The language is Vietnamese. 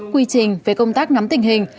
quy trình về công tác nắm tình hình